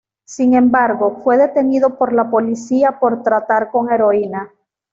Sin embargo, fue detenido por la policía por tratar con heroína.